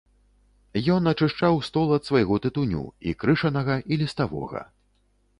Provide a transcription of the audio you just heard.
Ён ачышчаў стол ад свайго тытуню, і крышанага, і ліставога.